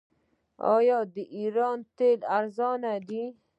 آیا د ایران تیل ارزانه دي؟